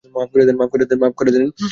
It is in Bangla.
মাফ করে দেন।